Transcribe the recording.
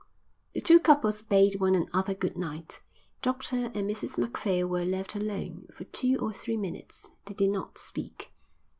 The two couples bade one another good night. Dr and Mrs Macphail were left alone. For two or three minutes they did not speak.